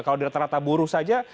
kalau di rata rata buruh saja